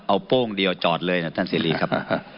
เอาโป้งเดียวจอดเลยนะท่านเสรีครับ